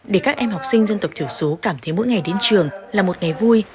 để các em học sinh dân tộc thiểu số cảm thấy mỗi ngày đến trường là một ngày vui